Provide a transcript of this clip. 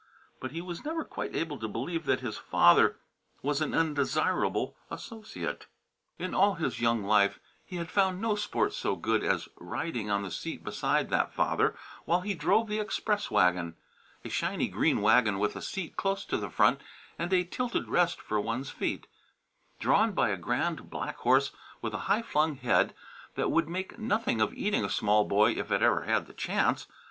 But he was never quite able to believe that his father was an undesirable associate. In all his young life he had found no sport so good as riding on the seat beside that father while he drove the express wagon; a shiny green wagon with a seat close to the front and a tilted rest for one's feet, drawn by a grand black horse with a high flung head, that would make nothing of eating a small boy if it ever had the chance.